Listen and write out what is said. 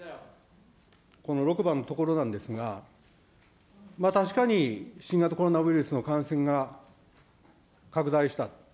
この６番のところなんですが、確かに新型コロナウイルスの感染が拡大した。